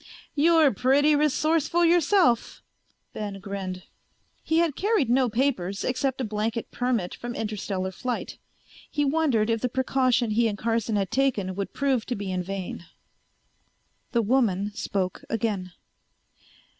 "You're pretty resourceful yourself," Ben grinned. He had carried no papers except a blanket permit from Interstellar Flight. He wondered if the precaution he and Carson had taken would prove to be in vain. The woman spoke again.